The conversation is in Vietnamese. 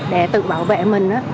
để tự bảo vệ mình